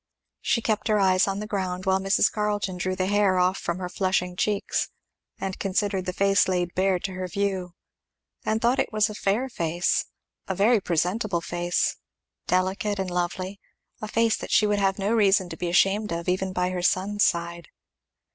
She kept her eyes on the ground, while Mrs. Carleton drew the hair off from her flushing cheeks, and considered the face laid bare to her view; and thought it was a fair face a very presentable face delicate and lovely a face that she would have no reason to be ashamed of, even by her son's side.